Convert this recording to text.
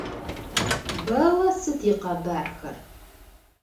Бэллэ сыд икъэбархэр?